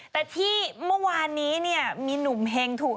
แต่ที่เมื่อวานนี้เนี่ยมีหนุ่มเฮงถูก